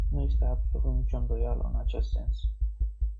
Nu este absolut nicio îndoială în acest sens.